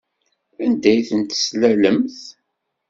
Anda ay ten-teslalemt?